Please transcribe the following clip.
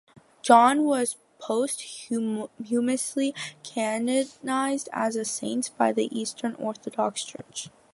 John was posthumously canonized as a saint by the Eastern Orthodox Church.